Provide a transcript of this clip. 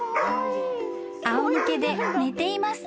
［あおむけで寝ています］